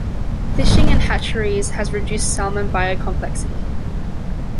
Fishing and hatcheries has reduced salmon biocomplexity.